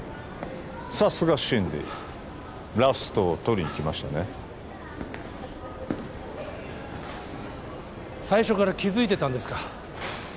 さすがシンディーラストを取りに来ましたね最初から気づいてたんですか？